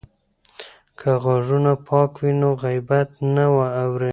که غوږونه پاک وي نو غیبت نه اوري.